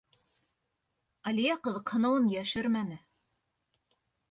— Әлиә ҡыҙыҡһыныуын йәшермәне.